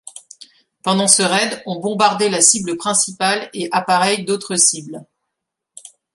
Pendant ce raid, ont bombardé la cible principale et appareils d'autres cibles.